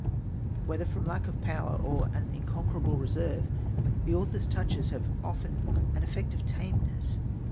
Whether from lack of power or an inconquerable reserve, the author's touches have often an effect of tameness.